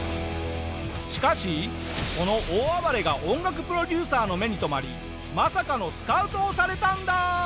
しかしこの大暴れが音楽プロデューサーの目に留まりまさかのスカウトをされたんだ！